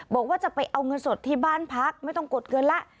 บอกว่าจะไปเอาเงินสดที่บ้านพักไม่ต้องกดเงินแล้ว